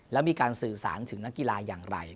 แล้วมีการสื่อสารถึงนักกีฬาอย่างไร